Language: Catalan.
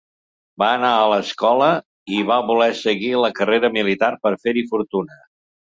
Va anar a escola i va voler seguir la carrera militar per fer-hi fortuna.